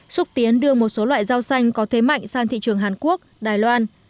xúc tiến đưa một số loại rau xanh có thế mạnh sang thị trường hàn quốc đài loan